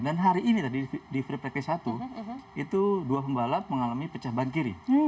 dan hari ini tadi di f satu itu dua pembalap mengalami pecah ban kiri